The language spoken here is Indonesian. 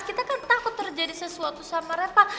kita kan takut terjadi sesuatu sama repa